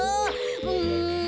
うん。